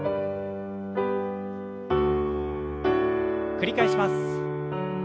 繰り返します。